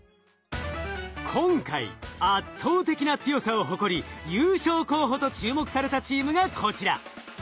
今回圧倒的な強さを誇り優勝候補と注目されたチームがこちら。